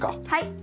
はい。